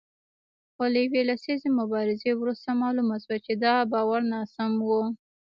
خو له یوې لسیزې مبارزې وروسته معلومه شوه چې دا باور ناسم و